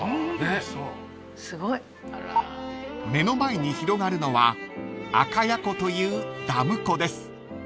［目の前に広がるのは赤谷湖というダム湖です］